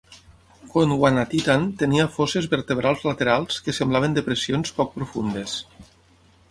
"Gondwanatitan" tenia fosses vertebrals laterals que semblaven depressions poc profundes.